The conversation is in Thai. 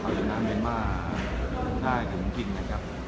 มากนานเมริม่ารู้ได้ถึงกลิ่นนะครับ